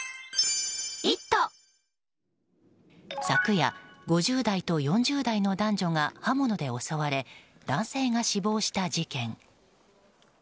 昨夜、５０代と４０代の男女が刃物で襲われ男性が死亡した事件。